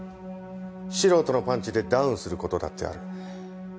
素人のパンチでダウンする事だってある。